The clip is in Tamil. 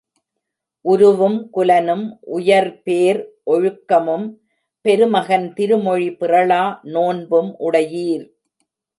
உருவும் குலனும் உயர்பேர் ஒழுக்கமும் பெருமகன் திருமொழி பிறழா நோன்பும் உடையீர்!